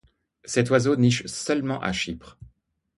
Cet oiseau niche seulement à Chypre.